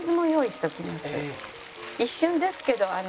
一瞬ですけどあの。